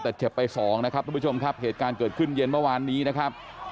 แต่เจ็บไปสองนะครับทุกผู้ชมครับเหตุการณ์เกิดขึ้นเย็นเมื่อวานนี้นะครับ